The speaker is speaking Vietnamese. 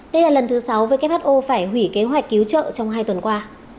đây là lần thứ sáu who phải hủy kế hoạch cứu trợ trong hai tuần qua